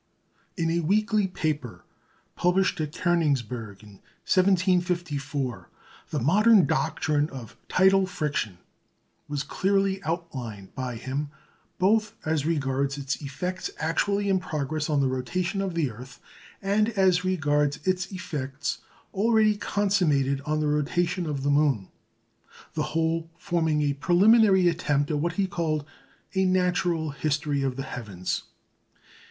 In a weekly paper published at Königsberg in 1754, the modern doctrine of "tidal friction" was clearly outlined by him, both as regards its effects actually in progress on the rotation of the earth, and as regards its effects already consummated on the rotation of the moon the whole forming a preliminary attempt at what he called a "natural history" of the heavens.